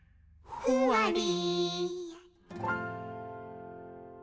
「ふわり」